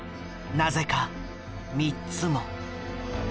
なぜか３つも。